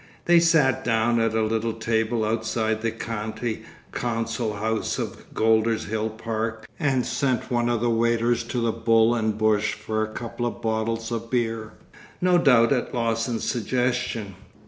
They sat down at a little table outside the County Council house of Golders Hill Park and sent one of the waiters to the Bull and Bush for a couple of bottles of beer, no doubt at Lawson's suggestion.